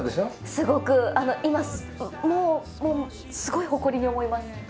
すごく今もうすごい誇りに思います。